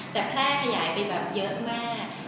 แต่แพร่ขยายไปแบบเยอะมาก